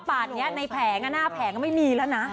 กอบปากเนี่ยในแผงอะหน้าแผงก็ไม่มีแล้วนะ